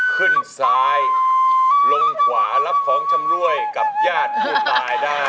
ขึ้นซ้ายลงขวารับของชำรวยกับญาติผู้ตายได้